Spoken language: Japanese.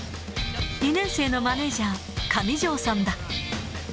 ２年生のマネージャー、上條さんだ。